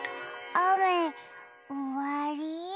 あめおわり？